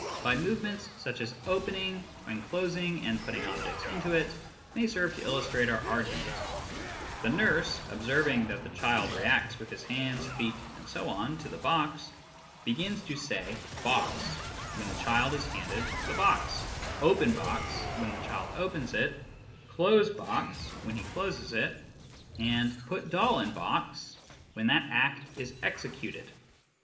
by movements such as opening and closing and putting objects into it, may serve to illustrate our argument. The nurse, observing that the child reacts with his hands, feet, etc., to the box, begins to say ' box ' when the child is handed the box, ' open box ' when the child opens it, ' close box ' when he closes it, and 'put doll in box' when that act is executed.